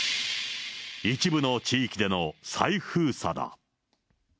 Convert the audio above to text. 一部の地域での再封鎖だ。